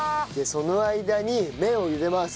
その間に麺を茹でます。